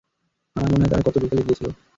আমার মনে হয়, -তারা গত বিকেলে গিয়েছিল।